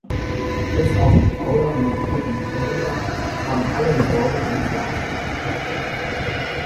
Bis auf die Aula mit ihrem Tonnendach haben alle Gebäude ein Flachdach.